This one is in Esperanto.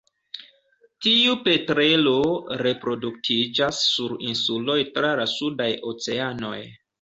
Tiu petrelo reproduktiĝas sur insuloj tra la sudaj oceanoj.